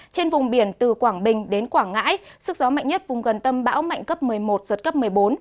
trên vùng biển từ quảng bình đến quảng ngãi sức gió mạnh nhất vùng gần tâm bão mạnh cấp một mươi một giật cấp một mươi bốn